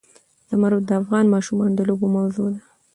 زمرد د افغان ماشومانو د لوبو موضوع ده.